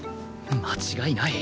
間違いない